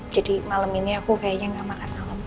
jadi malam ini aku kayaknya gak makan malam